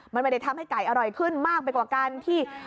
มันไม่ได้ทำให้ไก่อร่อยขึ้นมากไปกว่าการที่